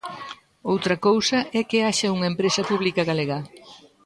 Outra cousa é que haxa unha empresa pública galega.